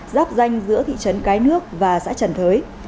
giáp danh giữa thị trấn cái nước và xã trần thới